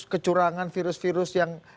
kecurangan virus virus yang